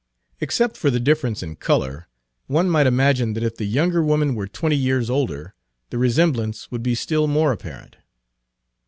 Except for the difference in color, one might imagine that if the younger woman were twenty years older the resemblance would be still more apparent.